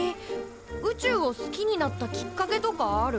宇宙を好きになったきっかけとかある？